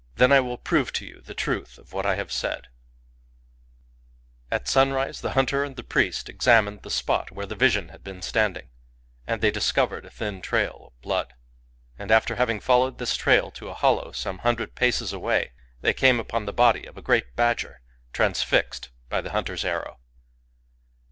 Then I will prove to you the truth of what I have said." Digitized by Googk 26 COMMON SENSE At sunrise the hunter and the priest examined the spot where the vision had been standing, and they discovered a thin trail of blood. And after having followed this trail to a hollow some hun dred paces away, they came upon the body of a great badger, transfixed by the hunter's arrow.